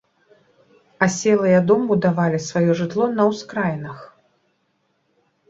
Аселыя дом будавалі сваё жытло на ўскраінах.